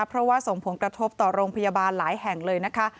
เพราะว่าส่งผลกระทบต่อโรงพยาบาลหลายแห่งเลยนะคะ